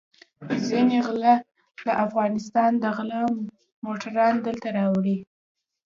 ځينې غله له افغانستانه د غلا موټران دلته راولي.